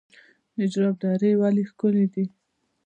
نجراب درې ولې ښکلې دي؟